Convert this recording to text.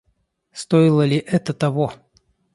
Стоило ли это того?